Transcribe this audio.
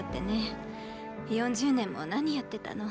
４０年も何やってたの？